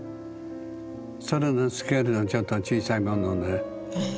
それのスケールのちょっと小さい版のね。